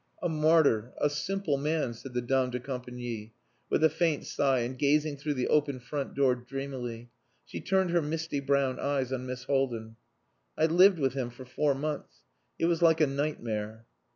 "A martyr, a simple man," said the dame de compangnie, with a faint sigh, and gazing through the open front door dreamily. She turned her misty brown eyes on Miss Haldin. "I lived with him for four months. It was like a nightmare."